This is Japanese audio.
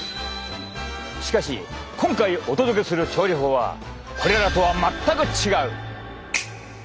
しかし今回お届けする調理法はこれらとは全く違う！